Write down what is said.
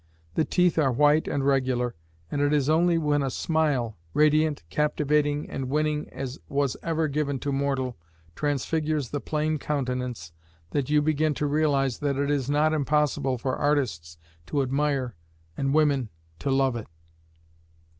The teeth are white and regular, and it is only when a smile, radiant, captivating, and winning as was ever given to mortal, transfigures the plain countenance, that you begin to realize that it is not impossible for artists to admire and women to love it."